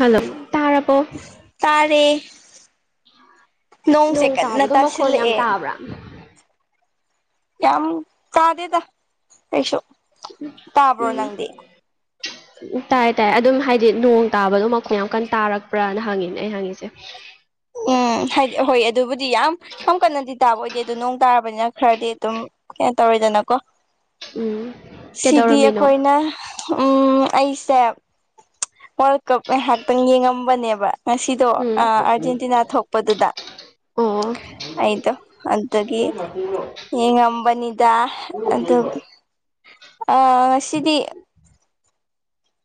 hello ꯇꯥꯔꯕꯣ ꯇꯥꯔꯦ ꯅꯣꯡꯁꯦ ꯅꯣꯡ ꯀꯥꯟꯅ ꯇꯥꯕꯗꯣ ꯃꯈꯣꯟ ꯌꯥꯝ ꯇꯥꯁꯤꯜꯂꯛꯑꯦ ꯇꯥꯕ꯭ꯔꯥ ꯌꯥꯝ ꯀꯥꯗꯦꯗ ꯀꯩꯁꯨ ꯇꯥꯕ꯭ꯔꯣ ꯅꯪꯗꯤ ꯎꯝ ꯇꯥꯏ ꯇꯥꯏ ꯑꯗꯨꯝ ꯍꯥꯏꯗꯤ ꯅꯣꯡ ꯇꯥꯕꯗꯣ ꯃꯈꯣꯡ ꯌꯥꯝ ꯀꯟꯅ ꯇꯥꯔꯛꯄ꯭ꯔꯥꯅ ꯍꯪꯉꯤꯅꯦ ꯑꯩ ꯍꯪꯉꯤꯁꯦ ꯎꯝ ꯍꯥꯏꯗꯤ ꯍꯣꯏ ꯑꯗꯨꯕꯨꯗꯤ ꯌꯥꯝ ꯌꯥꯝ ꯀꯟꯅꯗꯤ ꯇꯥꯕ ꯑꯣꯏꯗꯦ ꯑꯗꯨꯣ ꯅꯣꯡ ꯇꯥꯔꯕꯅꯤꯅ ꯈꯔꯗꯤ ꯑꯗꯨꯝ ꯀ ꯇꯧꯔꯣꯏꯗꯅꯀꯣ ꯎꯝ ꯁꯤꯗꯤ ꯀꯩꯗꯧꯔꯝꯃꯤꯅꯣ ꯑꯩꯈꯣꯏꯅ ꯎꯝ ꯑꯩꯁꯦ ꯋꯥꯔꯜ ꯀꯞ ꯉꯥꯏꯍꯥꯛꯇꯪ ꯌꯦꯡꯉꯝꯕꯅꯦꯕ ꯉꯁꯤꯗꯣ ꯎꯝ ꯑꯥꯔꯖꯦꯟꯇꯤꯅꯥ ꯊꯣꯛꯄꯗꯨꯗ ꯑꯣ ꯑꯩꯗꯣ ꯑꯗꯒꯤ ꯌꯦꯡꯉꯝꯕꯅꯤꯗ ꯑꯗꯨ ꯑ ꯉꯁꯤꯗꯤ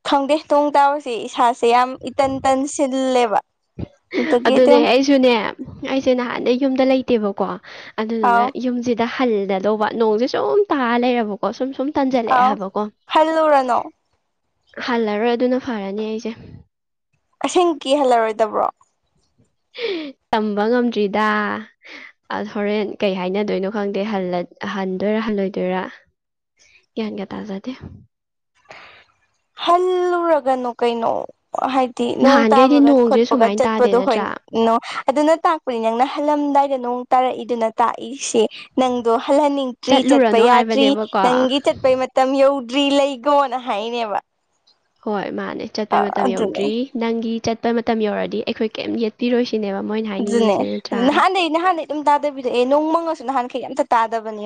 ꯈꯪꯗꯦ ꯅꯣꯡ ꯇꯥꯕꯁꯦ ꯏꯁꯥꯁꯦ ꯌꯥꯝ ꯏꯇꯟ ꯇꯟ ꯁꯤꯜꯂꯦꯕ ꯑꯗꯨꯗꯒꯤ ꯑꯗꯨꯅꯦ ꯑꯗꯨꯝ ꯑꯩꯁꯨꯅꯦ ꯑꯩꯁꯦ ꯅꯍꯥꯟꯗꯩ ꯌꯨꯝꯗ ꯂꯩꯇꯦꯕꯀꯣ ꯑꯗꯨꯗꯨꯅ ꯑꯥꯎ ꯌꯨꯝꯁꯤꯗ ꯍꯜꯂꯗꯧꯕ ꯅꯣꯡꯁꯦ ꯁꯨꯝ ꯇꯥꯔ ꯂꯩꯔꯕꯀꯣ ꯀꯣ ꯁꯨꯝ ꯁꯨꯝ ꯇꯥꯟꯖꯜꯂꯛꯑꯦ ꯑꯥꯎ ꯍꯥꯏꯕꯀꯣ ꯍꯜꯂꯨꯔꯅꯣ ꯍꯜꯂꯔꯣꯏ ꯑꯗꯨꯅ ꯐꯔꯅꯤ ꯑꯩꯁꯦ ꯑꯁꯦꯡꯀꯤ ꯍꯜꯂꯔꯣꯏꯗꯕ꯭ꯔꯣ ꯇꯝꯕ ꯉꯝꯗ꯭ꯔꯤꯗ ꯑ ꯍꯣꯔꯦꯟ ꯀꯩ ꯍꯥꯏꯅꯗꯣꯏꯅꯣ ꯈꯪꯗꯦ ꯍꯟꯗꯣꯏꯔ ꯍꯜꯂꯣꯏꯗꯣꯏꯔꯥ ꯒ꯭ꯌꯥꯟꯒ ꯇꯥꯖꯗꯦ ꯍꯜꯂꯨꯔꯒꯅꯨ ꯀꯩꯅꯣ ꯍꯥꯏꯗꯤ ꯅꯣꯡ ꯅꯍꯥꯟꯈꯩꯗꯤ ꯇꯥꯕꯒ ꯅꯣꯡꯁꯦ ꯈꯣꯠꯄꯒ ꯁꯨꯃꯥꯏꯅ ꯇꯥꯗꯦ ꯆꯠꯄꯗꯣ ꯍꯣꯏ ꯅꯠꯇ꯭ꯔꯥ ꯅ ꯑꯗꯨꯅ ꯇꯥꯛꯄꯅꯤ ꯅꯪꯅ ꯍꯜꯂꯝꯗꯥꯏꯗ ꯅꯣꯡ ꯇꯥꯔꯛꯏꯗꯨꯅ ꯇꯥꯛꯏꯁꯦ ꯅꯪꯗꯣ ꯍꯜꯍꯟꯅꯤꯡꯗ꯭ꯔꯤ ꯆꯠꯄ ꯆꯠꯂꯨꯔꯅꯣ ꯌꯥꯗ꯭ꯔꯤ ꯍꯥꯏꯕꯅꯦꯕꯀꯣ ꯅꯪꯒꯤ ꯆꯠꯄꯩ ꯃꯇꯝ ꯌꯧꯗ꯭ꯔꯤ ꯂꯩꯒꯣꯅ ꯍꯥꯏꯅꯦꯕ ꯍꯣꯏ ꯃꯥꯅꯦ ꯆꯠꯄꯩ ꯃꯇꯝ ꯑꯗꯨꯅꯦ ꯌꯧꯗ꯭ꯔꯤ ꯅꯪꯒꯤ ꯆꯠꯄꯩ ꯃꯇꯝ ꯌꯧꯔꯗꯤ ꯑꯩꯈꯣꯏ ꯀꯩꯝ ꯌꯦꯠꯄꯤꯔꯣꯏꯁꯤ ꯁꯤꯅꯦꯕ ꯃꯣꯏꯅ ꯑꯗꯨꯅꯦ ꯍꯥꯏꯅꯤꯡꯉꯁꯤ ꯑꯗꯨ ꯅꯠꯇ꯭ꯔꯥ ꯅꯍꯥꯟꯗꯩ ꯅꯍꯥꯟꯗꯩ ꯑꯗꯨꯝ ꯇꯥꯗꯕꯤꯗ ꯑꯦ ꯅꯣꯡ ꯃꯪꯉꯁꯨ ꯅꯍꯥꯟꯈꯩ ꯑꯝꯇ ꯇꯥꯗꯕꯅꯦ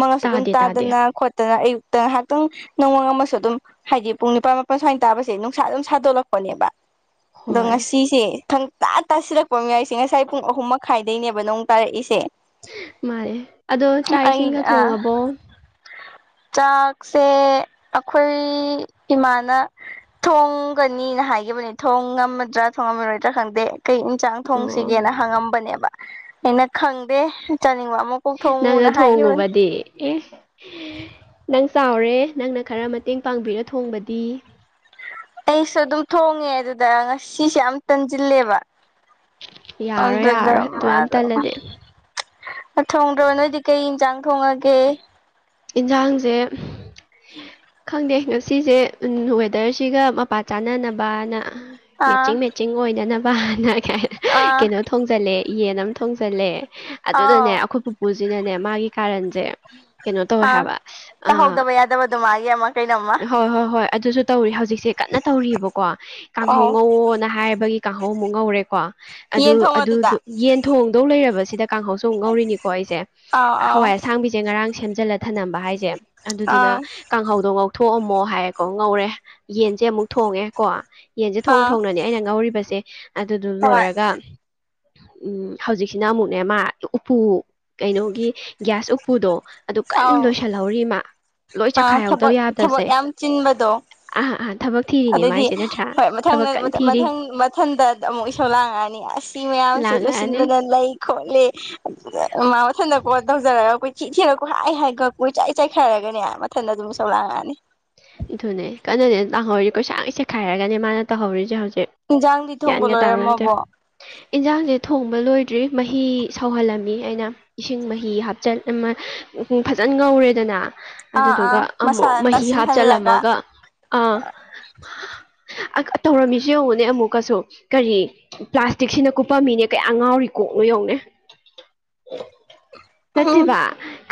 ꯃꯪꯉꯁꯨ ꯑꯗꯨꯝ ꯇꯥꯗꯦ ꯇꯥꯗꯦ ꯇꯥꯗꯅ ꯅ ꯑꯌꯨꯛꯇ ꯉꯥꯏꯍꯥꯛꯇꯪ ꯅꯣꯡꯃ ꯑꯃꯁꯨ ꯑꯗꯨꯝ ꯍꯥꯏꯗꯤ ꯄꯨꯡ ꯅꯤꯄꯥꯥꯟ ꯃꯥꯄꯜ ꯁ꯭ꯋꯥꯏꯅ ꯇꯥꯕꯁꯦ ꯅꯨꯡꯁꯥ ꯑꯗꯨꯝ ꯁꯥꯗꯣꯛꯂꯛꯄꯅꯦꯕ ꯑꯗꯣ ꯍꯣꯏ ꯉꯁꯤꯁꯦ ꯈꯪꯇꯥ ꯇꯥꯁꯤꯂꯛꯄ ꯃꯌꯥꯏꯁꯦ ꯉꯁꯥꯏ ꯄꯨꯡ ꯑꯍꯨꯝ ꯃꯈꯥꯏꯗꯩꯅꯦꯕ ꯅꯣꯡ ꯇꯥꯔꯛꯏꯁꯦ ꯃꯥꯅꯦ ꯑꯗꯣ ꯆꯥꯛ ꯑꯩ ꯏꯁꯤꯡꯒ ꯑꯥ ꯊꯣꯡꯉꯕꯣ ꯆꯥꯛꯁꯦ ꯑꯩꯈꯣꯏ ꯏꯃꯥꯅ ꯊꯣꯡꯒꯅꯤꯅ ꯍꯥꯏꯈꯤꯕꯅꯤ ꯊꯣꯡ ꯉꯝꯃꯗ꯭ꯔꯥ ꯊꯣꯡꯉꯝꯃꯔꯣꯏꯗ꯭ꯔꯥ ꯈꯪꯗꯦ ꯀꯩ ꯏꯟꯆꯥꯥꯡ ꯑꯣ ꯊꯣꯡꯁꯤꯒꯦꯅ ꯍꯪꯉꯝꯕꯅꯦꯕ ꯑꯩꯅ ꯈꯪꯗꯦ ꯆꯥꯅꯤꯡꯕ ꯑꯃꯨꯛ ꯅꯪ ꯊꯣꯡꯉꯨꯕꯗꯤ ꯑꯦ ꯅꯪ ꯆꯥꯎꯔꯦ ꯅꯪꯅ ꯈꯔ ꯃꯇꯦꯡ ꯄꯥꯡꯕꯤꯔ ꯊꯣꯡꯕꯗꯤ ꯑꯩꯁꯨ ꯑꯗꯨꯝ ꯊꯣꯡꯉꯦ ꯑꯗꯨꯗ ꯉꯁꯤꯁꯦ ꯌꯥꯝ ꯇꯟꯁꯤꯜꯂꯦꯕ ꯌꯥꯔꯣꯏ ꯑꯗꯨꯗ ꯌꯥꯔꯣꯏ ꯑꯗꯨꯌꯥꯝ ꯃꯥꯗꯣ ꯇꯜꯂꯗꯤ ꯊꯣꯡꯗ꯭ꯔꯕ ꯅꯣꯏꯗꯤ ꯀꯩ ꯌꯦꯟꯁꯥꯡ ꯊꯣꯡꯉꯒꯦ ꯌꯦꯟꯁꯥꯡꯁꯦ ꯈꯪꯗꯦ ꯉꯁꯤꯁꯦ ꯋꯦꯗꯔꯁꯤꯒ ꯃꯄꯥ ꯆꯥꯟꯅꯅꯕꯅ ꯑꯥ ꯃꯦꯠꯆꯤꯡ ꯃꯦꯠꯆꯤꯡ ꯑꯣꯏꯅꯗꯅꯕꯅ ꯑꯥ ꯀꯩꯅꯣ ꯊꯣꯡꯖꯜꯂꯦ ꯌꯦꯟ ꯑꯃ ꯊꯣꯡꯖꯜꯂꯦ ꯑꯗꯨꯢꯗꯨꯒꯅꯦ ꯑꯥꯎ ꯑꯩꯈꯣꯏ ꯄꯨꯄꯨꯁꯤꯅꯅꯦ ꯃꯥꯒꯤ ꯀꯥꯔꯟꯁꯦ ꯀꯩꯅꯣ ꯇꯧꯋꯦ ꯍꯥ ꯍꯥꯏꯕ ꯑ ꯇꯥꯍꯧꯗꯕ ꯌꯥꯗꯕꯗꯨ ꯃꯥꯒꯤ ꯑꯃ ꯀꯩꯅꯣꯝꯃ ꯍꯣꯏ ꯍꯣꯏ ꯍꯣꯏ ꯑꯗꯨꯁꯨ ꯇꯧꯔꯤ ꯍꯧꯖꯤꯛꯁꯦ ꯀꯟꯅ ꯇꯧꯔꯤꯕꯔꯤꯕꯀꯣ ꯀꯥꯡꯍꯧ ꯑꯣ ꯉꯧꯋꯣꯅ ꯍꯥꯏꯕꯒꯤ ꯀꯥꯡꯍꯧ ꯑꯃꯨꯛ ꯉꯧꯔꯦꯀꯣ ꯌꯦꯟ ꯑꯗꯨ ꯊꯣꯡꯉꯗꯨꯗ ꯌꯦꯟ ꯊꯣꯡꯗꯧ ꯂꯩꯔꯕꯁꯤꯗ ꯀꯥꯡꯍꯧꯁꯨ ꯑꯃꯨꯛ ꯉꯧꯔꯤꯅꯤꯀꯣ ꯑꯩꯁꯦ ꯑꯥꯎ ꯑꯥꯎ ꯍꯋꯥꯏ ꯑꯁꯥꯡꯕꯤꯁꯦ ꯉꯔꯥꯡ ꯁꯦꯝꯖꯤꯜꯂ ꯊꯥꯝꯂꯝꯕ ꯍꯥꯏꯁꯦ ꯑꯗꯨꯗꯨꯅ ꯑꯥ ꯀꯥꯡꯍꯧꯗꯣ ꯉꯧꯊꯣꯛꯑꯝꯃꯣ ꯍꯥꯏꯌꯦꯀꯣ ꯉꯧꯔꯦ ꯌꯦꯟꯁꯦ ꯑꯃꯨꯛ ꯊꯣꯡꯉꯦꯀꯣ ꯌꯦꯟꯁꯦ ꯊꯣꯡ ꯑꯥ ꯊꯣꯡꯅꯅꯦ ꯑꯩꯅ ꯉꯧꯔꯤꯕꯁꯦ ꯑꯗꯨꯗꯨ ꯍꯣꯏ ꯂꯣꯏꯔꯒ ꯎꯝ ꯍꯧꯖꯤꯛꯁꯤꯅ ꯑꯃꯨꯛꯅꯦ ꯃꯥ ꯎꯄꯨ ꯀꯩꯅꯣꯒꯤ ꯒꯦꯁ ꯎꯄꯨꯗꯣ ꯑꯗꯨ ꯀꯟꯅ ꯑꯥꯎ ꯂꯣꯏꯁꯤꯜꯍꯧꯔꯤꯃ ꯂꯣꯏ ꯑꯥ ꯆꯈꯥꯏꯍꯧꯗꯕ ꯊꯕꯛ ꯌꯥꯕ ꯊꯕꯛ ꯌꯥꯝ ꯆꯤꯟꯕꯗꯣ ꯑꯥꯥ ꯑꯥ ꯊꯕꯛ ꯊꯤ ꯑꯗꯨꯗꯤ ꯍꯣꯏ ꯃꯊꯥꯟ ꯃꯊꯥꯟ ꯃꯊꯟꯗ ꯑꯃꯨꯛ ꯏꯁꯥꯎ ꯂꯥꯡꯉꯛꯑꯅꯤ ꯑꯁ ꯁꯤ ꯃꯌꯥꯝꯁꯤ ꯂꯥꯛꯉꯛꯑꯅꯤ ꯂꯣꯢꯁꯤꯟꯕꯗ ꯂꯩ ꯈꯣꯠꯂꯤ ꯃꯥ ꯃꯊꯟꯇ ꯀꯣꯟ ꯇꯧꯖꯔꯒ ꯀꯣꯢꯊꯤ ꯊꯤꯔꯒ ꯎ ꯍꯥꯏ ꯍꯥꯏ ꯒꯛꯀꯨ ꯆꯥꯏ ꯆꯥꯏꯈꯥꯢꯔꯒꯅꯦ ꯃꯊꯟꯗ ꯑꯗꯨꯝ ꯆ ꯂꯥꯡꯉꯛꯑꯅꯤ ꯏꯗꯧꯅꯦ ꯀꯟꯅꯅꯦꯅ ꯂꯥꯡꯍꯧꯔꯤ ꯀꯣꯏꯆꯥꯢ ꯁꯦꯈꯥꯏꯔꯒꯅꯦ ꯃꯥꯅ ꯇꯧꯍꯧꯔꯤꯁꯦ ꯍꯧꯖꯤꯛ ꯏꯟꯖꯥꯡꯗꯤ ꯊꯣꯡꯕ ꯒꯌꯥꯟꯒ ꯇꯕ ꯅꯠꯇꯦ ꯂꯣꯏꯔꯝꯃꯕꯣ ꯏꯟꯁꯥꯡꯁꯦ ꯊꯣꯡꯕ ꯂꯣꯏꯗ꯭ꯔꯤ ꯃꯍꯤ ꯁꯧꯍꯜꯂꯝꯃꯤ ꯑꯩꯅ ꯏꯁꯤꯡ ꯃꯍꯤ ꯍꯥꯞꯆ ꯑꯃ ꯐꯖꯅ ꯉꯧꯔꯦꯗꯅ ꯑꯥ ꯑꯗꯨꯗꯨꯒ ꯑꯥ ꯃꯁꯥ ꯑꯃꯨꯛ ꯃꯍꯤ ꯇꯥꯁꯤꯟꯍꯜꯂꯒ ꯍꯥꯞꯆꯜꯂꯝꯃꯒ ꯑꯥ ꯇꯧꯔꯝꯃꯤꯁꯤ ꯌꯦꯡꯉꯨꯅꯦ ꯑꯃꯨꯛꯀꯁꯨ ꯀꯔꯤ ꯄ꯭ꯂꯥꯁꯇꯤꯛꯁꯤꯅ ꯀꯨꯞꯄꯝꯃꯤꯅꯦ ꯀꯌꯥ ꯑꯉꯥꯎꯔꯤ ꯀꯣꯛꯅꯣ ꯌꯦꯡꯉꯨꯅꯣ ꯎꯝ ꯅꯠꯇꯦꯕ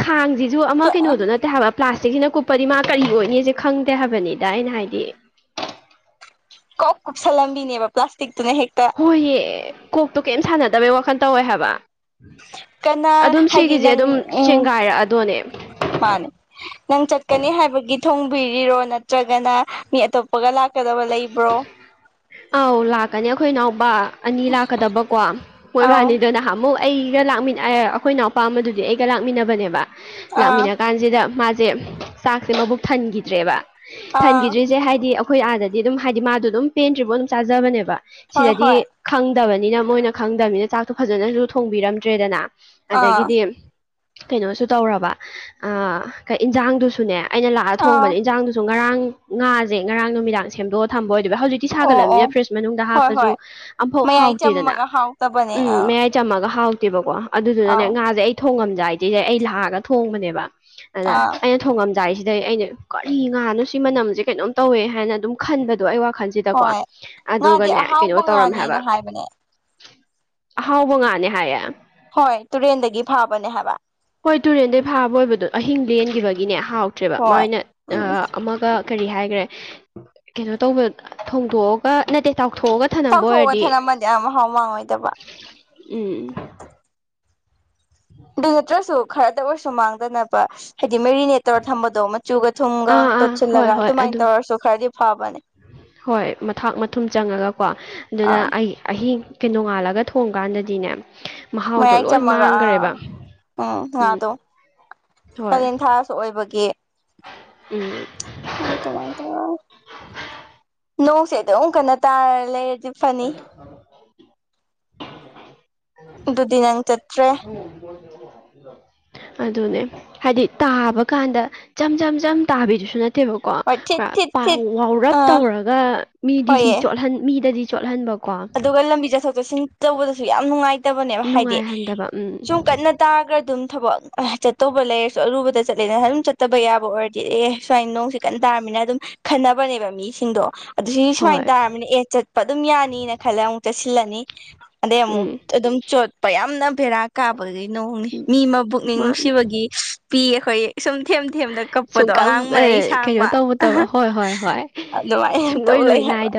ꯈꯥꯡꯁꯤꯁꯨ ꯑꯃ ꯀꯩꯅꯣꯗꯣ ꯅꯠꯇꯦ ꯍꯥꯏꯕ ꯄ꯭ꯂꯥꯁꯇꯤꯛꯁꯤꯅ ꯀꯨꯞꯄꯗꯤ ꯃꯥ ꯀꯔꯤ ꯑꯣꯏꯅꯤ ꯈꯪꯗꯦ ꯍꯥꯏꯕꯅꯤꯗ ꯑꯩꯅ ꯍꯥꯏꯕꯗꯤ ꯀꯧ ꯀꯨꯞꯁꯜꯂꯝꯕꯤꯅꯦꯕ ꯄ꯭ꯂꯥꯁꯇꯤꯛꯇꯨꯅ ꯍꯦꯛꯇ ꯍꯣꯏꯍ ꯀꯣꯛꯇꯣ ꯀꯩꯝ ꯁꯥꯟꯅꯗꯕꯩ ꯋꯥꯈꯜ ꯇꯧꯋꯦ ꯍꯥꯏꯕ ꯀꯅꯥ ꯑꯗꯨꯝ ꯍꯥꯏꯗꯤ ꯁꯤꯒꯤꯁꯦ ꯅꯪ ꯑꯗꯨꯝ ꯎꯝ ꯆꯦꯡꯒꯥꯏꯔꯛꯑꯗꯣꯅꯦ ꯃꯥꯅꯦ ꯅꯪ ꯆꯠꯀꯅꯤ ꯍꯥꯏꯕꯒꯤ ꯊꯣꯡꯕꯤꯔꯤꯔꯣ ꯅꯠꯇ꯭ꯔꯒꯅ ꯃꯤ ꯑꯇꯣꯞꯄꯒ ꯂꯥꯛ ꯀꯗꯕ ꯂꯩꯕ꯭ꯔꯣ ꯑꯧ ꯂꯥꯛꯀꯅꯤ ꯑꯩꯈꯣꯏ ꯅꯥꯎꯕ ꯑꯅꯤ ꯂꯥꯛꯀꯗꯕꯀꯣ ꯑꯥꯎ ꯃꯣꯏꯕꯥꯅꯤꯗ ꯅꯍꯥꯟꯃꯨꯛ ꯑꯩꯒ ꯂꯥꯛꯃꯤ ꯑꯩꯈꯣꯏ ꯏꯅꯥꯎꯄꯥ ꯑꯃꯗꯨꯗꯤ ꯑꯩꯒ ꯂꯥꯛꯃꯤꯟꯅꯕꯅꯦꯕ ꯑꯥ ꯂꯥꯛꯃꯤꯟꯅ ꯀꯥꯟ ꯁꯤꯗ ꯃꯥꯁꯦ ꯆꯥꯛꯁꯦ ꯃꯕꯨꯛ ꯐꯟꯈꯤꯗ꯭ꯔꯦꯕ ꯑꯥ ꯐꯟꯈꯤꯗ꯭ꯔꯤꯁꯦ ꯍꯥꯏꯗꯤ ꯑꯩꯈꯣꯏ ꯑꯥꯗꯗꯤ ꯑꯗꯨꯝ ꯍꯥꯏꯗꯤ ꯃꯥꯗꯣ ꯑꯗꯨꯝ ꯄꯦꯟꯗ꯭ꯔꯤꯕꯐꯥꯎ ꯑꯗꯨꯝ ꯆꯥꯖꯕꯅꯦꯕ ꯍꯣꯏ ꯁꯤꯗꯗꯤ ꯍꯣꯏ ꯈꯪꯗꯕꯅꯤꯅ ꯃꯣꯏꯅ ꯈꯪꯗꯕꯅꯤꯅ ꯆꯥꯛꯇꯣ ꯐꯖꯅꯁꯨ ꯊꯣꯡꯕꯤꯔꯝꯗ꯭ꯔꯦꯗꯅ ꯑꯥ ꯑꯗꯒꯤꯗꯤ ꯀꯩꯅꯣꯁꯨ ꯇꯧꯔꯕ ꯏꯟꯖꯥꯡꯗꯨꯁꯨꯅꯦ ꯑꯩꯅ ꯂꯥꯛꯑ ꯑꯥ ꯊꯣꯡꯕꯗ ꯏꯟꯖꯥꯡꯗꯨꯁꯨ ꯉꯔꯥꯡ ꯉꯥꯁꯦ ꯉꯔꯥꯡ ꯅꯨꯃꯤꯗꯥꯡ ꯁꯦꯝꯗꯣꯛꯑ ꯊꯝꯕ ꯑꯣꯏꯗꯨꯕ ꯍꯧꯖꯤꯛ ꯇꯤ ꯑꯣ ꯑꯣ ꯁꯥꯒꯠꯂꯅꯤꯅ ꯐ꯭ꯔꯤꯖ ꯃꯅꯨꯡꯗ ꯍꯣꯏ ꯍꯥꯞꯄꯁꯨ ꯍꯣꯏ ꯑꯃꯝꯐꯥꯎ ꯃꯌꯥꯏ ꯍꯥꯎꯇꯦꯗꯅ ꯆꯝꯃꯒ ꯍꯥꯎꯇꯕꯅꯦ ꯎꯝ ꯑꯥ ꯃꯌꯥꯏ ꯆꯝꯃꯒ ꯍꯥꯎꯇꯦꯕꯀꯣ ꯑꯗꯨꯗꯨꯅꯅꯦ ꯑꯥꯎ ꯉꯥꯁꯦ ꯑꯩ ꯊꯣꯡꯉꯝꯖꯏꯗꯤꯦꯁꯦ ꯑꯩ ꯂꯥꯛꯑꯒ ꯊꯣꯡꯕꯅꯦꯕ ꯑꯗ ꯑꯥ ꯑꯩꯅ ꯊꯣꯡꯉꯝꯗꯥꯏꯁꯤꯗꯩ ꯑꯩꯅ ꯀꯔꯤ ꯉꯥꯅꯣ ꯁꯤ ꯃꯅꯝꯁꯦ ꯀꯩꯅꯣꯝ ꯇꯧꯋꯦ ꯍꯥꯏꯅ ꯑꯗꯨꯝ ꯈꯟꯕꯗꯣ ꯑꯩ ꯋꯥꯈꯜꯁꯤꯗꯀꯣ ꯍꯣꯏ ꯉꯥꯗꯤ ꯑꯗꯨꯒꯅꯦ ꯀꯩꯅꯣ ꯑꯍꯥꯎꯕ ꯇꯧꯔꯝꯃꯦ ꯍꯥꯏꯕ ꯉꯥꯅꯦꯅ ꯍꯥꯏꯕꯅꯦ ꯑꯍꯥꯎꯕ ꯉꯥꯅꯦ ꯍꯥꯏꯌꯦ ꯍꯣꯏ ꯇꯨꯔꯦꯟꯗꯒꯤ ꯐꯥꯕꯅꯦ ꯍꯥꯏꯕ ꯍꯣꯏ ꯇꯨꯔꯦꯟꯗꯩ ꯐꯥꯕ ꯑꯣꯏꯕꯗꯣ ꯑꯍꯤꯡ ꯂꯦꯟꯈꯤꯕꯒꯤꯅꯦ ꯍꯥꯎꯇ꯭ꯔꯦꯕ ꯍꯣꯏ ꯃꯥꯅ ꯎꯝ ꯑꯃꯒ ꯀꯔꯤ ꯍꯥꯏꯈ꯭ꯔꯦ ꯀꯩꯅꯣ ꯇꯧꯕ ꯊꯣꯡꯗꯣꯛꯑꯒ ꯅꯠꯇꯦ ꯇꯥꯎꯊꯣꯛꯑꯒ ꯊꯅꯝꯕ ꯇꯥꯎꯊꯣꯛꯑꯒ ꯑꯣꯏꯔꯗꯤ ꯊꯦꯠꯝꯃꯗꯤ ꯌꯥꯝ ꯃꯍꯥꯎ ꯃꯥꯡꯉꯣꯏꯗꯕ ꯎꯝꯝ ꯎ [inaudible] ꯑꯗꯨ ꯅꯠꯇ꯭ꯔꯁꯨ ꯈꯔꯗ ꯑꯣꯏꯔꯁꯨ ꯃꯥꯡꯗꯅꯕ ꯍꯥꯏꯗꯤ ꯃꯦꯔꯤꯅꯦꯠ ꯇꯧꯔ ꯊꯝꯕꯗꯣ ꯃꯆꯨꯒ ꯊꯨꯝꯒ ꯑꯥ ꯑꯥ ꯍꯣꯏ ꯇꯣꯠꯁꯤꯜꯂꯒ ꯍꯣꯏ ꯑꯗꯨꯃꯥꯏꯅ ꯑꯗꯨꯝ ꯇꯧꯔꯁꯨ ꯈꯔꯗꯤ ꯐꯕꯅꯦ ꯍꯣꯏ ꯃꯊꯥꯛ ꯃꯊꯨꯝ ꯆꯪꯉꯒꯀꯣ ꯑꯗꯨꯅ ꯑꯥ ꯑꯩ ꯑꯍꯤꯡ ꯅꯣꯡꯉꯥꯜꯂꯒ ꯊꯣꯡ ꯀꯥꯟꯗꯗꯤꯅꯦ ꯃꯌꯥꯏ ꯆꯝꯃꯒ ꯑꯥ ꯎꯝ ꯉꯥꯗꯣ ꯍꯣꯏ ꯀꯂꯦꯟ ꯊꯥ ꯑꯣꯢꯕꯒꯤ ꯎꯝ ꯑꯗꯨꯃꯥꯏ ꯅꯣꯡꯁꯦ ꯑꯗꯨꯛ ꯀꯟꯅ ꯇꯥꯔ ꯂꯩꯔꯗꯤ ꯐꯅꯤ ꯑꯗꯨꯗꯤ ꯅꯪ ꯆꯠ [inaudible] ꯑꯗꯨꯅꯦ ꯍꯥꯏꯗꯤ ꯇꯥꯕ ꯀꯥꯟꯗ ꯆꯝ ꯆꯝ ꯆꯝ ꯇꯥꯕꯤꯗꯨꯁꯨ ꯅꯠꯇꯦ ꯇꯕꯣ [unintelligible] ꯀꯣ ꯍꯣꯏ ꯊꯤꯠ ꯊꯤꯠ ꯊꯤꯠ ꯋꯥꯎꯔꯞ ꯑꯥ ꯇꯧꯔꯒ ꯃꯤꯗꯤ ꯍꯣꯏꯌꯦ ꯁꯤꯠ ꯃꯤꯗꯗꯤ ꯆꯣꯠꯍꯟꯕꯀꯣ ꯑꯗꯨꯒ ꯂꯝꯕꯤ ꯆꯠꯊꯣꯛ ꯆꯠꯁꯤꯟ ꯇꯧꯕꯗꯁꯨ ꯌꯥꯝ ꯅꯨꯡꯉꯥꯏꯇꯕꯅꯦꯕ ꯍꯥꯏꯗꯤ ꯅꯨꯡꯉꯥꯏꯍꯟꯗꯕ ꯎꯝ ꯁꯨꯝ ꯀꯟꯅ ꯇꯥꯈ꯭ꯔꯗꯨꯝ ꯊꯕꯛ ꯆꯠꯇꯧꯕ ꯂꯩꯔꯁꯨ ꯑꯔꯨꯕꯗ ꯆꯠꯂꯦꯗ ꯑꯗꯨꯝ ꯆꯠꯇꯕ ꯌꯥꯕ ꯑꯣꯏꯔꯗꯤ ꯑꯦ ꯁꯨꯃꯥꯏꯅ ꯅꯣꯡꯁꯤ ꯀꯩꯟꯅ ꯇꯥꯔꯕꯃꯤꯅ ꯑꯗꯨꯝ ꯈꯟꯅꯕꯅꯦꯕ ꯃꯤꯁꯤꯡꯗꯣ ꯑꯗꯨ ꯁꯤ ꯁꯨꯃꯥꯏꯅ ꯍꯣꯏ ꯇꯥꯔꯕꯅꯤꯅ ꯑꯦ ꯆꯠꯄ ꯑꯗꯨꯝ ꯌꯥꯅꯤꯅ ꯈꯜꯂ ꯑꯃꯨꯛ ꯆꯠꯁꯤꯜꯂꯅꯤ ꯑꯗꯩ ꯑꯃꯨꯛ ꯎꯝ ꯑꯗꯨꯝ ꯆꯣꯠꯄ ꯌꯥꯝꯅ ꯚꯦꯔꯥ ꯀꯥꯞꯄꯗꯤ ꯅꯣꯡꯅꯤ ꯃꯤ ꯃꯕꯨꯛꯅꯤꯡ ꯃꯥꯅꯦ ꯅꯨꯡꯁꯤꯕꯒꯤ ꯄꯤ ꯑꯩꯈꯣꯏ ꯁꯨꯝ ꯊꯦꯝ ꯊꯦꯝꯗ ꯀꯛꯄꯗꯣ ꯑꯉꯥꯡ ꯁꯨꯡꯀꯝ ꯃꯔꯩ ꯑꯦ ꯀꯩꯅꯣ ꯁꯥꯡꯕ ꯇꯧꯗꯕ ꯍꯣꯏ ꯍꯣꯏ ꯍꯣꯏ ꯑꯗꯨꯃꯥꯏꯅ ꯇꯧ ꯁꯨꯡꯂꯣꯏ ꯂꯩ ꯍꯥꯏꯕ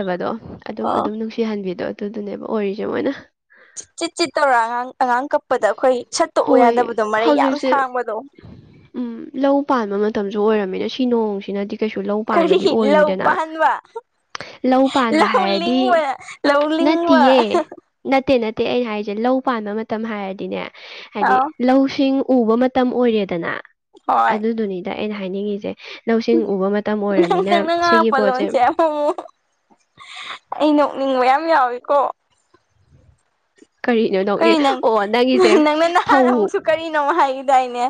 ꯑꯣ ꯄꯤꯍꯟꯕꯤꯗꯣ ꯑꯗꯨꯗꯨꯅꯦꯕ ꯑꯣꯏꯔꯤꯁꯦ ꯃꯣꯏꯅ ꯆꯤꯠ ꯆꯤꯠ ꯇꯧꯔ ꯑꯉꯥꯡ ꯑꯉꯥꯡ ꯀꯛꯄꯗ ꯑꯩꯈꯣꯏ ꯁꯠꯇꯣꯛꯎ ꯍꯣꯏ ꯌꯥꯗꯕꯗꯣ ꯃꯔꯩ ꯌꯥꯝ ꯍꯧꯖꯤꯛꯁꯦ ꯁꯥꯡꯕꯗꯣ ꯎꯝ ꯂꯧ ꯄꯥꯟꯕ ꯃꯇꯝꯁꯨ ꯑꯣꯏꯔꯝꯃꯤꯅ ꯁꯤ ꯅꯣꯡꯁꯤꯅꯗꯤ ꯀꯩꯁꯨ ꯂꯧ ꯀꯔꯤ ꯄꯥꯟꯕꯗꯤ ꯂꯧ ꯑꯣꯏꯔꯣꯏꯗꯅ ꯄꯥꯟꯕ ꯂꯧ ꯄꯥꯟꯕ ꯂꯧ ꯍꯥꯏꯔꯗꯤ ꯂꯤꯡꯕ ꯂꯧ ꯂꯤꯡꯕ ꯅꯠꯇꯤꯌꯦ ꯅꯠꯇꯦ ꯅꯠꯇꯦ ꯑꯩꯅ ꯍꯥꯏꯁꯦ ꯂꯧ ꯄꯥꯟꯕ ꯃꯇꯝ ꯍꯥꯏꯔꯗꯤꯅꯦ ꯍꯥꯏꯗꯤ ꯑꯥꯎ ꯂꯧꯁꯤꯡ ꯎꯕ ꯃꯇꯝ ꯃꯇꯝ ꯑꯣꯏꯔꯦꯗꯅ ꯍꯣꯏ ꯑꯗꯨꯗꯨꯅꯤꯗ ꯑꯩꯅ ꯍꯥꯏꯅꯤꯡꯉꯤꯁꯦ ꯂꯧꯁꯤꯡ ꯎꯕ ꯃꯇꯝ ꯑꯣꯏꯔꯕꯃꯤꯅ ꯁꯤꯒꯤ ꯄꯣꯠꯁꯦ ꯑꯣ ꯑꯩ ꯅꯣꯛꯅꯤꯡꯕ ꯌꯥꯝ ꯌꯥꯎꯋꯤꯀꯣ ꯀꯔꯤꯅꯣ ꯅꯣꯛꯅꯤ ꯀꯔꯤ ꯅꯪ ꯑꯣ ꯅꯪꯒꯤꯁꯦ ꯅꯪꯅ ꯅꯍꯥꯟ ꯐꯧ ꯑꯃꯨꯛꯁꯨ ꯀꯔꯤꯅꯣ ꯍꯥꯏꯈꯤꯗꯥꯏꯅꯦ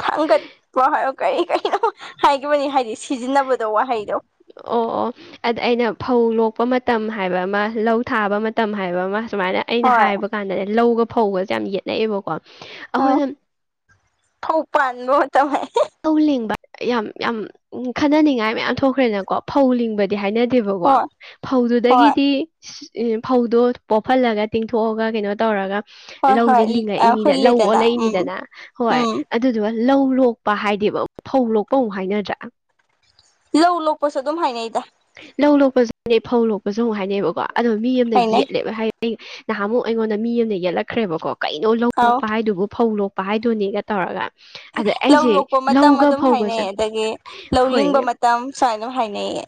ꯊꯥꯡꯒꯠꯄ ꯍꯥꯏꯔ ꯀꯔꯤ ꯀꯅꯣ ꯍꯥꯏꯈꯤꯕꯅꯤ ꯍꯥꯏꯗꯤ ꯁꯤ ꯁꯤꯖꯤꯟꯅꯕꯗꯣ ꯋꯥꯍꯩꯗꯣ ꯑꯣ ꯑꯣ ꯑꯗ ꯑꯩꯅ ꯐꯧ ꯂꯣꯛꯄ ꯃꯇꯝ ꯍꯥꯏꯕ ꯑꯃ ꯂꯧ ꯊꯥꯕ ꯃꯇꯝ ꯍꯥꯏꯕ ꯑꯃ ꯁꯨꯃꯥꯏꯅ ꯑꯩꯅ ꯍꯣꯏ ꯍꯥꯏꯕ ꯀꯥꯟꯗꯅꯦ ꯂꯧꯒ ꯐꯧꯒꯁꯦ ꯌꯥꯝ ꯌꯦꯠꯅꯩꯑꯦꯕꯀꯣ ꯎꯝ ꯐꯧ ꯄꯥꯟꯕ ꯃꯇꯝ ꯇꯧꯕ ꯌꯥꯝ ꯌꯥꯝ ꯈꯟꯅꯅꯤꯡꯉꯥꯏ ꯃꯌꯥꯝ ꯊꯣꯛꯈ꯭ꯔꯦꯅꯀꯣ ꯐꯧ ꯂꯤꯡꯕꯗꯤ ꯍꯥꯏꯅꯗꯦꯕꯀꯣ ꯍꯣꯏ ꯍꯣꯏ ꯐꯧꯗꯨꯗꯒꯤꯗꯤ ꯐꯧꯗꯣ ꯄꯣꯞꯍꯜꯂꯒ ꯇꯤꯡꯊꯣꯛꯑꯒ ꯀꯩꯅꯣ ꯇꯧꯔꯒ ꯍꯣꯏ ꯂꯧꯁꯦ ꯍꯣꯏ ꯂꯤꯡꯉꯛꯏꯅꯤꯗ ꯂꯧ ꯍꯨꯜꯂꯤꯗꯅ ꯎꯝ ꯑꯣꯜꯂꯛꯏꯅꯤꯗꯅ ꯍꯣꯏ ꯎꯝ ꯑꯗꯨꯗꯨꯒ ꯂꯧ ꯂꯣꯛꯄ ꯍꯥꯏꯗꯦꯕ ꯐꯧ ꯂꯣꯛꯄ ꯑꯃꯨꯛ ꯍꯥꯏꯅꯗ꯭ꯔꯥ ꯂꯧ ꯂꯣꯛꯄꯁꯨ ꯑꯗꯨꯝ ꯍꯥꯏꯅꯩꯗ ꯂꯧ ꯂꯣꯛꯄꯁꯨ ꯍꯥꯏ ꯐꯧ ꯂꯣꯛꯄꯁꯨ ꯑꯃꯨꯛ ꯍꯥꯏꯅꯩꯕꯀꯣ ꯑꯗꯣ ꯃꯤ ꯑꯃꯅ ꯍꯥꯏꯅꯩ ꯌꯦꯠꯂꯦꯕ ꯍꯥꯏ ꯅꯍꯥꯟꯃꯨꯛ ꯑꯩꯉꯣꯟꯗ ꯃꯤ ꯑꯃꯗ ꯌꯦꯠꯂꯛꯈ꯭ꯔꯦꯕꯀꯣ ꯀꯩꯅꯣ ꯂꯧ ꯑꯧ ꯂꯣꯛꯄ ꯍꯥꯏꯗꯨꯕꯨ ꯐꯧ ꯂꯣꯛꯄ ꯍꯥꯏꯗꯨꯅꯦ ꯇꯧꯔꯒ ꯑꯗ ꯂꯧ ꯑꯩꯁꯦ ꯂꯣꯛꯄ ꯃꯇꯝ ꯂꯧꯒ ꯑꯗꯨꯝ ꯐꯧꯒꯁꯦ ꯍꯥꯏꯅꯩꯌꯦ ꯑꯗꯒꯤ ꯂꯧ ꯍꯣꯏ ꯂꯤꯡꯕ ꯃꯇꯝ ꯁꯨꯃꯥꯏꯅ ꯑꯗꯨꯝ ꯍꯥꯏꯅꯩꯌꯦ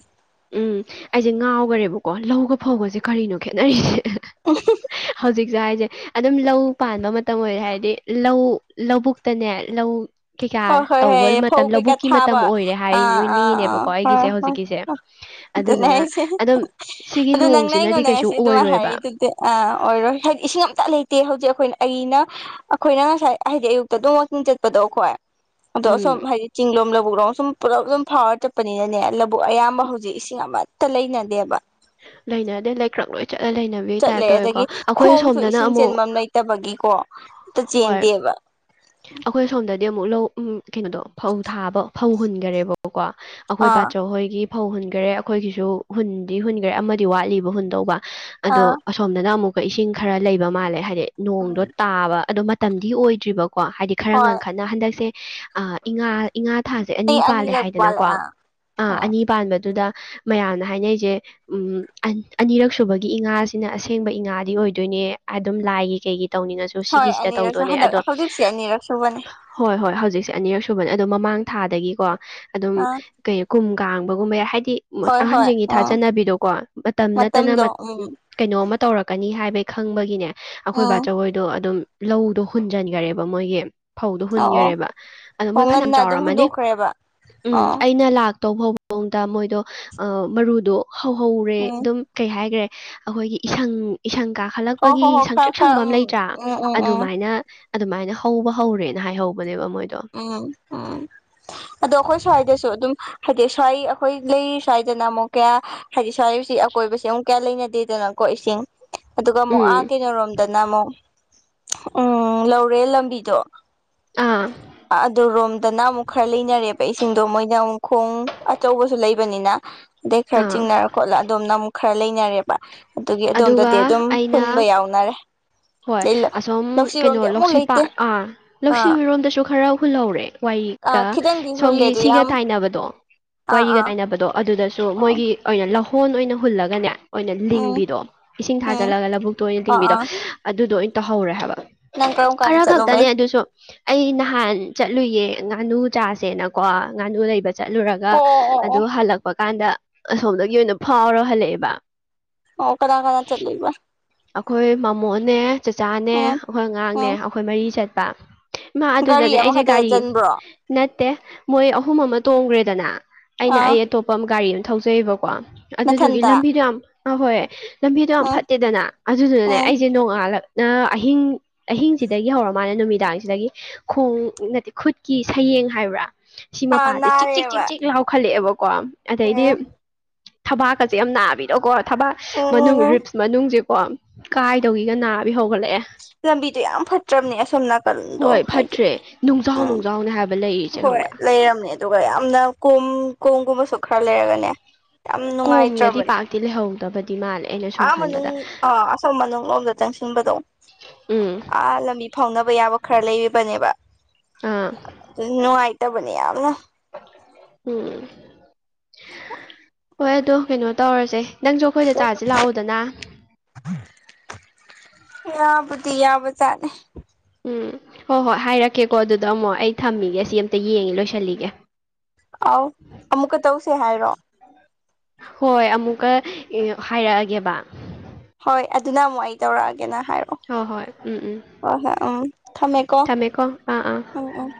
ꯎꯝ ꯑꯩꯁꯦ ꯉꯥꯎꯒꯔꯦꯕꯀꯣ ꯂꯧꯒ ꯐꯧꯕꯁꯦ ꯀꯔꯤꯅꯣ ꯈꯦꯠꯅꯔꯤꯁꯦ [unintelligible] ꯍꯧꯖꯤꯛꯁꯦ ꯍꯥꯏꯁꯦ ꯑꯗꯨꯝ ꯂꯧ ꯄꯥꯟꯕ ꯃꯇꯝ ꯑꯣꯏꯔꯦ ꯍꯥꯏꯗꯤ ꯂꯧ ꯂꯧꯕꯨꯛꯇꯅꯦ ꯂꯧ ꯀꯩꯀꯥ ꯍꯣꯏ ꯍꯣꯏ ꯇꯧꯕ ꯍꯣꯏ ꯐꯧ ꯃꯇꯝ ꯀꯩꯀꯥ ꯂꯧꯕꯨꯛꯀꯤ ꯊꯥꯕ ꯃꯇꯝ ꯑꯣꯏꯔꯦ ꯑꯥ ꯑꯥ ꯍꯥꯏꯅꯤꯡꯉꯤꯅꯦꯕꯀꯣ ꯑꯥ ꯍꫭ ꯑꯩꯒꯤꯁꯦ ꯍꫭ ꯍꫭ ꯍꯧꯖꯤꯛꯀꯤꯁꯦ ꯂꯨꯀꫭꯛꯂꯥꯅ ꯑꯗꯨꯗꯨꯅ ꯑꯩꯁꯦ ꯑꯗꯨꯝ ꯁꯤꯒꯤ ꯑꯗꯨ ꯅꯪꯅ ꯅꯣꯡꯁꯤꯅꯗꯤ ꯑꯩꯉꯣꯟꯗꯪ ꯀꯩꯁꯨ ꯉꯁꯤ ꯑꯗꯨꯃꯥꯏꯅ ꯑꯣꯏꯔꯣꯏꯕ ꯍꯥꯏꯔꯤꯗꯨꯗꯦ ꯑ ꯑꯣꯏꯔꯣꯏ ꯍꯥꯏꯗꯤ ꯏꯁꯤꯡ ꯑꯇ ꯂꯩꯇꯦ ꯍꯧꯖꯤꯛ ꯑꯩꯈꯣꯏꯅ ꯑꯩꯅ ꯑꯩꯈꯣꯏꯅ ꯉꯁꯥꯏ ꯍꯥꯏꯗꯤ ꯑꯌꯨꯛꯇ ꯑꯗꯨꯝ ꯋꯥꯀꯤꯡ ꯆꯠꯄꯗꯣꯈꯣ ꯑꯈꯣꯏ ꯑꯗꯣ ꯑꯁꯣꯝ ꯎꯝ ꯍꯥꯏꯗꯤ ꯆꯤꯡꯂꯣꯝ ꯂꯧꯕꯕꯨꯛ ꯂꯣ ꯁꯨꯝ ꯄꯨꯜꯂꯞ ꯑꯗꯨꯝ ꯐꯥꯎꯔ ꯆꯠꯄꯅꯤꯅꯅꯦ ꯂꯧꯕꯨꯛ ꯑꯌꯥꯝꯕ ꯍꯧꯖꯤꯛ ꯏꯁꯤꯡ ꯑꯃꯠꯇ ꯂꯩꯅꯗꯦꯕ ꯂꯩꯅꯔꯗꯦ ꯂꯩ ꯀ꯭ꯔꯪ ꯂꯣꯏ ꯆꯠꯂ ꯂꯩꯅꯝ ꯆꯠꯂꯦ ꯑꯗꯒꯤ ꯈꯣꯡꯁꯨ ꯏꯁꯤꯡ ꯆꯦꯟꯕꯥꯝ ꯂꯩꯇꯕꯒꯤꯀꯣ ꯑꯝꯇ ꯍꯣꯏ ꯆꯦꯟꯗꯦꯕ ꯑꯩꯈꯣꯏ ꯁꯣꯝꯗꯗꯤ ꯑꯃꯨꯛ ꯂꯧ ꯎ ꯀꯩꯅꯣꯗꯣ ꯐꯧ ꯊꯥꯕ ꯐꯧ ꯍꯨꯟꯒꯥꯔꯦꯕꯀꯣ ꯑꯩꯈꯣꯏ ꯑꯥ ꯕꯥꯆꯧ ꯍꯣꯏꯒꯤ ꯐꯧ ꯍꯨꯟꯈꯔꯦ ꯑꯩꯈꯣꯏꯒꯤꯁꯨ ꯍꯨꯟꯗꯤ ꯍꯨꯟꯈꯔꯦ ꯑꯃꯗꯤ ꯋꯥꯠꯂꯤꯕ ꯍꯨꯟꯗꯧꯕ ꯑꯗꯣ ꯑꯥ ꯑꯁꯣꯝꯗꯅ ꯑꯃꯨꯛꯀ ꯏꯁꯤꯡ ꯈꯔ ꯂꯩꯕ ꯃꯥꯜꯂꯦ ꯍꯥꯏꯗꯤ ꯎꯝ ꯅꯣꯡꯗꯣ ꯇꯥꯕ ꯑꯗꯣ ꯇꯟꯗꯤ ꯑꯣꯏꯗ꯭ꯔꯤꯕꯀꯣ ꯍꯥꯏꯗꯤ ꯈꯔ ꯍꯣꯏ ꯉꯈꯠꯅ ꯍꯟꯗꯛꯁꯦ ꯑꯥ ꯏꯉꯥ ꯏꯉꯥ ꯊꯥꯁꯦ ꯑꯩ ꯑꯅꯤ ꯄꯥꯜꯂꯦ ꯑꯅꯤꯔꯛ ꯋꯥꯠꯂꯦ ꯍꯥꯏꯗꯅꯀꯣ ꯑꯥ ꯑꯥ ꯑꯅꯤ ꯄꯥꯟꯕꯗꯨꯗ ꯃꯌꯥꯝꯅ ꯍꯥꯏꯅꯩꯁꯦ ꯎꯝ ꯑꯅꯤꯔꯛ ꯁꯨꯕꯒꯤ ꯏꯉꯥꯁꯤꯅ ꯑꯁꯦꯡꯕ ꯏꯉꯥꯗꯤ ꯑꯣꯏꯗꯣꯏꯅꯦ ꯑꯗꯨꯝ ꯂꯥꯏꯒꯤ ꯀꯩꯒꯤ ꯇꯧꯅꯤꯡꯉꯁꯨ ꯍꯣꯏ ꯁꯤꯒꯤꯁꯤꯗ ꯑꯅꯤꯔꯛꯁꯨ ꯇꯧꯗꯣꯏꯅꯦ ꯍꯟꯗꯛ ꯑꯗꯣ ꯍꯧꯖꯤꯛꯁꯦ ꯑꯅꯤꯔꯛ ꯁꯨꯕꯅꯦ ꯍꯣꯏ ꯍꯣꯏ ꯍꯧꯖꯤꯛꯁꯦ ꯑꯅꯤꯔꯛ ꯁꯨꯕꯅꯦ ꯑꯗꯨꯝ ꯃꯃꯥꯡ ꯊꯥꯗꯒꯤꯀꯣ ꯑꯗꯨꯝ ꯑꯥ ꯀꯩ ꯀꯨꯝ ꯀꯥꯡꯕꯒꯨꯝꯕ ꯌꯥꯏ ꯍꯥꯏꯗꯤ ꯍꯣꯏ ꯍꯣꯏ ꯑꯍꯟꯁꯤꯡꯒꯤꯒꯤ ꯑꯥ ꯊꯥꯖꯅꯕꯤꯗꯣꯀꯣ ꯃꯇꯝ ꯅꯠꯇꯅ ꯃꯇꯝꯗꯣ ꯃꯠ ꯎꯝ ꯀꯩꯅꯣꯝꯃ ꯇꯧꯔꯛꯀꯅꯤ ꯍꯥꯏꯕꯩ ꯈꯪꯕꯒꯤꯅꯦ ꯑꯩꯈꯣꯏ ꯕꯥ ꯎꯝ ꯕꯥꯆꯧꯍꯣꯏꯗꯣ ꯑꯗꯨꯝ ꯂꯧꯗꯣ ꯍꯨꯟꯖꯟ ꯌꯥꯔꯦꯕ ꯃꯣꯏꯒꯤ ꯐꯧꯗꯣ ꯑꯣ ꯑꯣ ꯍꯨꯟꯈꯔꯦꯕ ꯑꯗꯣ ꯑꯣ ꯃꯣꯏ ꯐꯅꯤꯑꯝ ꯉꯟꯅ ꯑꯗꯨꯝ ꯆꯥꯎꯔꯝꯃꯅꯤ ꯍꯨꯟꯗꯣꯛꯈ꯭ꯔꯦꯕ ꯎꯝ ꯑꯥ ꯑꯩꯅ ꯂꯥꯛꯇꯧꯕ ꯐꯥꯎ ꯃꯣꯡꯗ ꯃꯣꯏꯗꯣ ꯑꯥ ꯃꯔꯨꯗꯣ ꯍꯧꯍꯧꯔꯦ ꯎꯝ ꯑꯗꯨꯝ ꯀꯩ ꯍꯥꯏꯒ꯭ꯔꯦ ꯑꯩꯈꯣꯏꯒꯤ ꯏꯁꯪ ꯏꯁꯪ ꯀꯥ ꯍꯣ ꯍꯜꯂꯛꯄꯒꯤ ꯍꯣ ꯍꯣ ꯈꯔ ꯁꯪꯇ꯭ꯔꯤꯛ ꯈꯔ ꯁꯪꯕ ꯑꯃ ꯎꯝ ꯂꯩꯇ꯭ꯔꯥ ꯎꯝ ꯎꯝ ꯎꯝ ꯑꯗꯨꯃꯥꯏꯅ ꯑꯗꯨꯃꯥꯏꯅ ꯍꯧꯕ ꯍꯧꯔꯦꯅ ꯍꯥꯏꯍꯧꯕꯅꯦꯕ ꯃꯣꯏꯗꯣ ꯎꯝ ꯎꯝ ꯑꯗꯣ ꯑꯩꯈꯣꯏ ꯁ꯭ꯋꯥꯏꯗꯁꯨ ꯑꯗꯨꯝ ꯍꯥꯏꯗꯤ ꯁ꯭ꯋꯥꯏ ꯑꯩꯈꯣꯏ ꯂꯩꯔꯤ ꯁ꯭ꯋꯥꯏꯗꯅ ꯑꯃꯨꯛ ꯀꯌꯥ ꯍꯥꯏꯗꯤ ꯁ꯭ꯋꯥꯏꯁꯤ ꯑꯀꯣꯏꯕꯁꯤ ꯑꯃꯨꯛ ꯀꯌꯥ ꯂꯩꯅꯗꯦꯗꯅꯀꯣ ꯏꯁꯤꯡ ꯑꯗꯨꯒ ꯑꯃꯨꯛ ꯑꯥ ꯎꯝ ꯀꯩꯅꯣꯔꯣꯝ ꯗꯅ ꯑꯃꯨꯛ ꯎꯝ ꯂꯧꯔꯦꯟ ꯂꯝꯕꯤꯗꯣ ꯑꯥ ꯑꯗꯨ ꯔꯣꯝꯗꯅ ꯑꯃꯨꯛ ꯈꯔ ꯂꯩꯅꯔꯦꯕ ꯏꯁꯤꯡꯗꯣ ꯃꯣꯏꯅ ꯑꯃꯨꯛ ꯈꯣꯡ ꯑꯆꯧꯕꯁꯨ ꯂꯩ ꯕꯅꯤꯅ ꯑꯗꯩ ꯈꯔ ꯑꯥ ꯆꯤꯡꯅꯔ ꯈꯣꯠꯂ ꯑꯗꯣꯝꯅ ꯑꯃꯨꯛ ꯈꯔ ꯂꯩꯅꯔꯦꯕ ꯑꯗꯨꯒꯤ ꯑꯗꯣꯝꯗꯗꯤ ꯑꯗꯨꯒ ꯑꯗꯨꯝ ꯍꯨꯟꯕ ꯑꯩꯅ ꯌꯥꯎꯅꯔꯦ ꯍꯣꯏ ꯑꯗꯩ ꯑꯁꯣꯝ ꯂꯧꯁꯤꯔꯣꯝꯗꯤ ꯀꯩꯅꯣ ꯑꯃꯨꯛ ꯂꯧꯁꯤ ꯂꯩꯇꯦ ꯄꯥꯠ ꯑꯥ ꯑꯥ ꯂꯧꯁꯤꯔꯣꯝꯗꯁꯨ ꯈꯔ ꯍꯨꯜꯍꯧꯔꯦ ꯋꯥꯏ ꯀꯥ ꯑꯥ ꯈꯤꯇꯪꯗꯤ ꯍꯨꯜꯂꯦ ꯁꯣꯝꯒꯤ ꯑꯗꯨ ꯁꯤꯒ ꯌꯥꯝ ꯇꯥꯏꯅꯕꯗꯣ ꯑꯥ ꯋꯥꯔꯤꯒ ꯑꯥ ꯇꯥꯏꯅꯕꯗꯣ ꯑꯗꯨꯗꯁꯨ ꯑꯥ ꯃꯣꯏꯒꯤ ꯑꯣꯏꯅ ꯂꯧꯍꯣꯟ ꯑꯣꯏꯅ ꯍꯨꯜꯂꯒꯅꯦ ꯑꯣꯏꯅ ꯎꯝ ꯂꯤꯡꯕꯤꯗꯣ ꯏꯁꯤꯡ ꯎꯝ ꯊꯥꯖꯤꯜꯂꯒ ꯂꯧꯕꯨꯛꯇ ꯑꯣꯏꯅ ꯑꯥ ꯇꯤꯡꯕꯤꯗꯣ ꯑꯥ ꯑꯗꯨꯗꯣ ꯑꯣꯏꯅ ꯇꯧꯍꯧꯔꯦ ꯍꯥꯏꯕ ꯅꯪ ꯀꯔꯝ ꯀꯥꯟꯗ ꯈꯔ ꯈꯛꯇꯅꯦ ꯆꯠꯂꯨꯕꯩ ꯑꯗꯨꯁꯨ ꯑꯩ ꯅꯍꯥꯟ ꯆꯠꯂꯨꯏꯌꯦ ꯉꯥꯅꯨ ꯆꯥꯁꯦꯅꯀꯣ ꯉꯥꯅꯨ ꯂꯩꯕ ꯆꯠꯂꯨꯔꯒ ꯑꯣ ꯑꯣ ꯑꯣ ꯑꯗꯨ ꯑꯣ ꯍꯜꯂꯛꯄ ꯀꯥꯟꯗ ꯑꯁꯣꯝꯗꯒꯤ ꯑꯣꯏꯅ ꯐꯥꯎꯔ ꯍꯜꯂꯛꯑꯦꯕ ꯑꯣ ꯀꯅꯥ ꯀꯅꯥ ꯆꯠꯂꯤꯕ ꯑꯈꯣꯏ ꯃꯃꯣꯅꯦ ꯆꯆꯥꯅꯦ ꯎꯝ ꯑꯈꯣꯏ ꯑꯉꯥꯡꯅꯦ ꯎꯝ ꯑꯈꯣꯏ ꯃꯔꯤ ꯆꯠꯄ ꯃꯥ ꯒꯥꯔꯤ ꯑꯗꯨꯗꯅꯦ ꯑꯩꯖꯦ ꯑꯃꯈꯛꯇꯗ ꯒꯥꯔꯤ ꯆꯟꯕ꯭ꯔꯣ ꯅꯠꯇꯦ ꯃꯣꯏ ꯑꯍꯨꯝ ꯑꯃ ꯇꯣꯡꯒ꯭ꯔꯦꯗꯅ ꯑꯩꯅ ꯑꯥ ꯑꯩ ꯑꯇꯣꯞꯄ ꯑꯃ ꯒꯥꯔꯤ ꯑꯃ ꯊꯧꯖꯩꯕꯀꯣ ꯑꯗꯨꯗꯨꯒꯤ ꯅꯊꯟꯇ ꯂꯝꯕꯤꯗꯣ ꯌꯥꯝ ꯑ ꯍꯣꯏ ꯂꯝꯕꯤꯗꯣ ꯌꯥꯝ ꯎꯝ ꯐꯠꯇꯦꯗꯅ ꯑꯗꯨꯗꯨꯅꯅꯦ ꯎꯝ ꯑꯩꯖꯦ ꯅꯣꯡꯉꯥꯜꯂ ꯅ ꯑꯍꯤꯡ ꯑꯍꯤꯡꯁꯤꯗꯒꯤ ꯍꯧꯔ ꯃꯥꯜꯅꯦ ꯅꯨꯃꯤꯗꯥꯡꯁꯤꯗꯒꯤ ꯈꯣꯡ ꯅꯠꯇꯦ ꯈꯨꯠꯀꯤ ꯁꯌꯦꯡ ꯍꯥꯏꯕ꯭ꯔꯥ ꯁꯤ ꯑꯥ ꯃꯄꯥꯖꯦ ꯆꯤꯛ ꯆꯤꯛ ꯆꯤꯛ ꯅꯥꯔꯦꯕ ꯆꯤꯛ ꯂꯥꯎꯈꯠꯂꯛꯑꯦꯕꯀꯣ ꯑꯗꯩꯗꯤ ꯎꯝ ꯊꯕꯥꯛꯀꯆꯦ ꯌꯥꯝ ꯅꯥꯕꯤꯗꯣꯀꯣ ꯊꯕꯥꯛ ꯃꯅꯨꯡ ꯎꯝ ꯔꯤꯞꯁ ꯃꯅꯨꯡꯖꯦꯀꯣ ꯀꯥꯏꯗꯧꯒꯤꯒ ꯅꯥꯕꯤ ꯍꯧꯒꯠꯂꯛꯑꯦ ꯂꯝꯕꯤꯗꯣ ꯌꯥꯝ ꯐꯠꯇ꯭ꯔꯝꯅꯦ ꯑꯁꯣꯝ ꯅꯥꯀꯟꯗꯣ ꯍꯣꯏ ꯍꯥꯏꯗꯤ ꯐꯠꯇ꯭ꯔꯦ ꯅꯨꯡꯖꯥꯎ ꯑꯝ ꯅꯨꯡꯖꯥꯎꯅꯦ ꯍꯥꯏꯕ ꯂꯩꯔꯤꯁꯦ ꯍꯣꯏ ꯈꯪꯕ꯭ꯔꯥ ꯂꯩꯔꯝꯅꯦ ꯑꯗꯨꯒ ꯌꯥꯝꯅ ꯀꯣꯝ ꯀꯣꯝꯒꯨꯝꯕꯁꯨ ꯈꯔ ꯂꯩꯔꯒꯅꯦ ꯌꯥꯝ ꯅꯨꯡꯉꯥꯏꯇ꯭ꯔꯕꯅꯦ ꯕꯗꯤ ꯃꯥꯜꯂꯦ ꯑꯩꯅ ꯁꯨꯝ ꯑꯥ ꯃꯅꯨꯡ ꯈꯟꯕꯗ ꯑꯥ ꯑꯁꯣꯝ ꯃꯅꯨꯡꯂꯣꯝꯗ ꯆꯪꯁꯤꯟꯕꯗꯣ ꯎꯝ ꯑꯥ ꯂꯝꯕꯤ ꯐꯥꯎꯅꯕ ꯌꯥꯕ ꯈꯔ ꯂꯩꯔꯤꯕꯅꯦꯕ ꯑꯥ ꯇꯣ ꯅꯨꯡꯉꯥꯏꯇꯕꯅꯦ ꯌꯥꯝꯅ ꯎꯝ ꯍꯣꯏ ꯑꯗꯣ ꯀꯩꯅꯣ ꯇꯧꯔꯁꯦ ꯅꯪꯖꯨ ꯑꯈꯣꯏꯗ ꯆꯥꯖꯤ ꯂꯥꯛꯑꯣꯗꯅ ꯌꯥꯕꯨꯗꯤ ꯌꯥꯕ ꯖꯥꯠꯅꯤ ꯎꯝ ꯍꯣꯏ ꯍꯣꯏ ꯍꯥꯏꯔꯛꯀꯦꯀꯣ ꯑꯗꯨꯗ ꯑꯃꯨꯛ ꯑꯩ ꯊꯝꯃꯤꯒꯦ ꯑꯁꯤ ꯑꯝꯇ ꯌꯦꯡꯉꯤ ꯂꯣꯏꯁꯤꯜꯂꯤꯒꯦ ꯑꯧ ꯑꯃꯨꯛꯀ ꯇꯧꯁꯦ ꯍꯥꯏꯔꯣ ꯍꯣꯏ ꯑꯃꯨꯛꯀ ꯍꯥꯏꯔꯛꯑꯒꯦꯕ ꯍꯣꯏ ꯑꯗꯨꯅ ꯑꯃꯨꯛ ꯑꯩ ꯇꯧꯔꯛꯑꯒꯦꯅ ꯍꯥꯏꯔꯛꯑꯣ ꯍꯣꯏ ꯍꯣꯏ ꯎꯝ ꯎꯝ ꯍꯣꯏ ꯍꯣꯏ ꯎꯝ ꯊꯝꯃꯦꯀꯣ ꯑꯥ ꯑꯥ ꯎꯝ ꯎꯝ